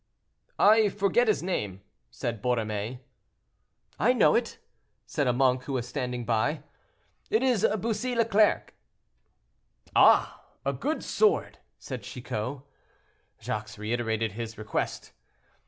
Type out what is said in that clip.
"I forget his name," said Borromée. "I know it," said a monk who was standing by. "It is Bussy Leclerc." "Ah! a good sword," said Chicot. Jacques reiterated his request.